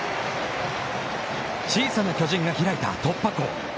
小さな巨人が開いた突破口。